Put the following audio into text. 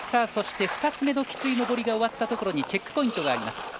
そして２つ目のきつい上りが終わったところにチェックポイントがあります。